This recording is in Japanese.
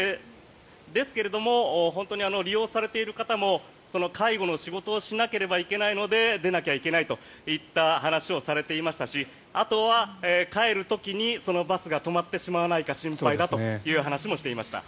ですけど本当に利用されている方も介護の仕事をしなければいけないので出なきゃいけないといった話をされていましたしあとは帰る時にそのバスが止まってしまわないか心配だという話もしていました。